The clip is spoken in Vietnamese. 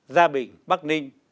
gia bình bắc ninh